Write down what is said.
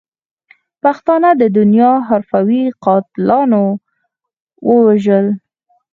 پښتانه د دنیا حرفوي قاتلاتو وژل.